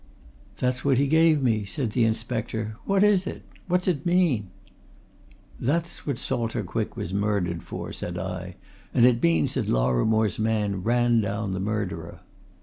"That's what he gave me," said the inspector. "What is it? what's it mean?" "That's what Salter Quick was murdered for," said I. "And it means that Lorrimore's man ran down the murderer."